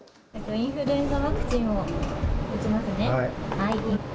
インフルエンザワクチンを打ちますね。